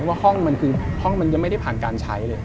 ว่าห้องมันคือห้องมันยังไม่ได้ผ่านการใช้เลย